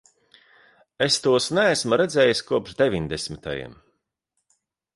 Es tos neesmu redzējis kopš deviņdesmitajiem.